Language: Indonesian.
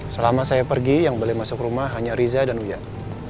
selama saya pergi yang boleh masuk rumah hanya riza dan wijaya